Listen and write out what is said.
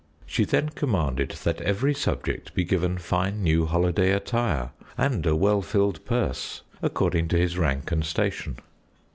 She then commanded that every subject be given fine new holiday attire and a well filled purse, according to his rank and station.